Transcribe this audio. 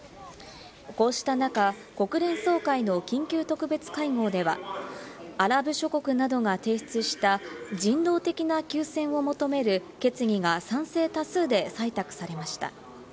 こうした中、国連総会の緊急特別会合では、アラブ諸国などが提出した人道的な休戦を求める決議が賛成多数で採択されました。